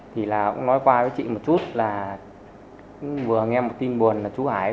thì là cũng nói qua với chị một chút là vừa nghe một tin buồn là chú hải